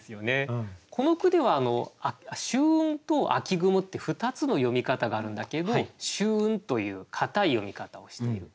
この句では「しゅううん」と「あきぐも」って２つの読み方があるんだけど「秋雲」という硬い読み方をしている。